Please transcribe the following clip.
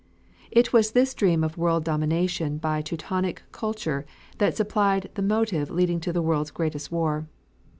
It was this dream of world domination by Teutonic kultur that supplied the motive leading to the world's greatest war.